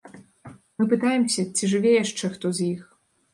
Мы пытаемся, ці жыве яшчэ хто з іх.